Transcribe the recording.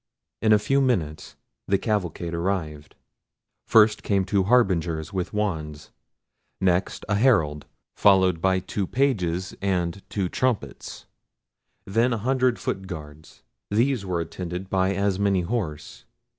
In a few minutes the cavalcade arrived. First came two harbingers with wands. Next a herald, followed by two pages and two trumpets. Then a hundred foot guards. These were attended by as many horse.